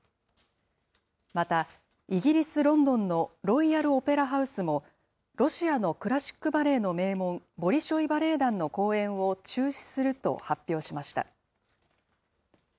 また、イギリス・ロンドンのロイヤル・オペラ・ハウスも、ロシアのクラシックバレエの名門、ボリショイバレエ団の公演を中止すると発表しました。